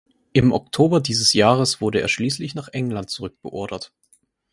Im Oktober dieses Jahres wurde er schließlich nach England zurückbeordert.